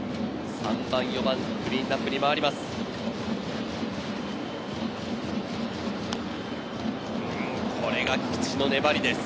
３番、４番、クリーンナップに回ります。